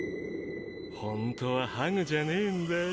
ホントはハグじゃねぇんだよ。